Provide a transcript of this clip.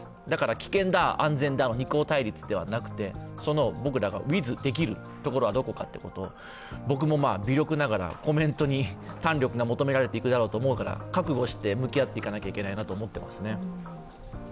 だから危険だ、安全だの対立ではなくて僕らがウィズできるところはどこかと、僕も微力ながらコメントに胆力が求められていくだろうと思うから、覚悟して向き合っていかないといけないと思いますね。